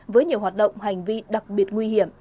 với nhiều hoạt động hành vi đặc biệt nguy hiểm